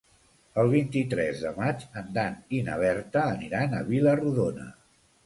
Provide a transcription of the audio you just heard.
El vint-i-tres de maig en Dan i na Berta aniran a Vila-rodona.